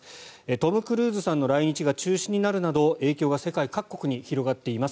トム・クルーズさんの来日が中止になるなど影響が世界各国に広がっています。